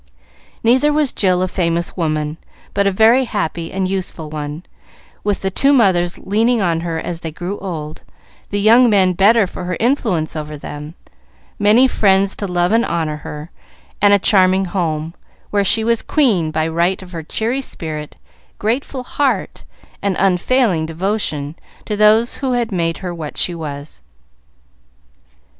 Neither was Jill a famous woman, but a very happy and useful one, with the two mothers leaning on her as they grew old, the young men better for her influence over them, many friends to love and honor her, and a charming home, where she was queen by right of her cheery spirit, grateful heart, and unfailing devotion to those who had made her what she was.